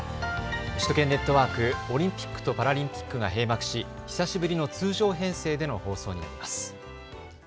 首都圏ネットワーク、オリンピックとパラリンピックが閉幕し、久しぶりの通常編成での放送になります。